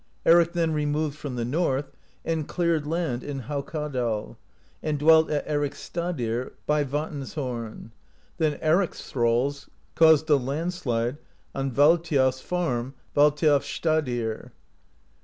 Eric then removed from the North, and cleared land in Haukadal, and dwelt at Ericsstadir by Vatnshorn. Then Eric's thralls caused a land slide on Valthiof's farm, Valthiofsstadir.